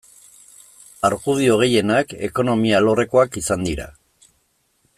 Argudio gehienak ekonomia alorrekoak izan dira.